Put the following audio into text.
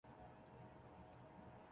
车仔电。